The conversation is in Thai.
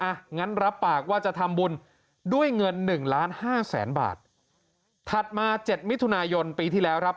อ่ะงั้นรับปากว่าจะทำบุญด้วยเงิน๑ล้าน๕แสนบาทถัดมา๗มิถุนายนปีที่แล้วครับ